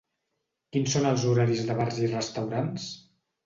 Quins són els horaris de bars i restaurants?